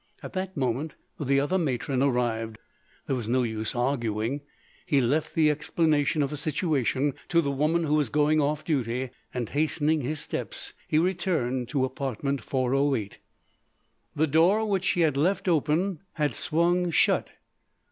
At that moment the other matron arrived. There was no use arguing. He left the explanation of the situation to the woman who was going off duty, and, hastening his steps, he returned to apartment 408. The door, which he had left open, had swung shut.